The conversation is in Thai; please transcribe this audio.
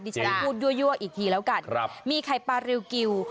ดิฉันพูดยั่วยั่วอีกทีแล้วกันครับมีไข่ปลาริวกิว